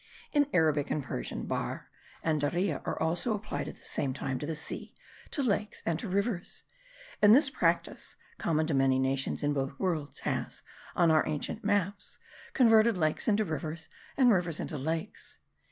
In Arabic and in Persian, bahr and deria are also applied at the same time to the sea, to lakes, and to rivers; and this practice, common to many nations in both worlds, has, on our ancient maps, converted lakes into rivers and rivers into lakes.